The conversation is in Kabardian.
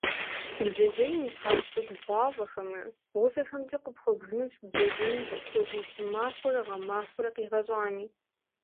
Бдзэжьейм и тхьэгъу цӏыкӏу бгъуафӏэхэмрэ, бгъузэхэмкӏэ къыпхуэбжынущ бдзэжьейм сыт хуэдиз щӏымахуэрэ гъэмахуэрэ къигъэщӏами.